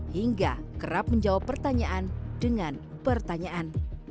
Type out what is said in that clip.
hingga kerap menjawab pertanyaan dengan pertanyaan